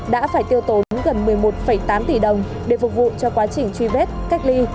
đã phải tiêu tốn gần một mươi một tám tỷ đồng để phục vụ cho quá trình truy vết cách ly